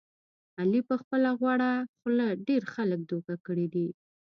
علي په خپله غوړه خوله ډېر خلک دوکه کړي دي.